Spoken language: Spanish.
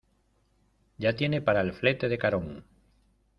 ¡ ya tiene para el flete de Carón!...